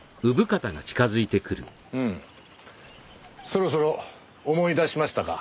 そろそろ思い出しましたか？